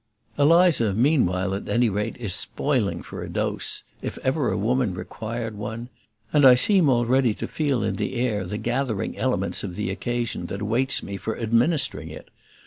Eliza meanwhile, at any rate, is spoiling for a dose if ever a woman required one; and I seem already to feel in the air the gathering elements of the occasion that awaits me for administering it.